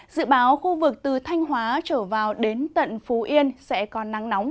dự báo khu vực từ thanh hóa trở vào đến tận phú yên sẽ còn nắng nóng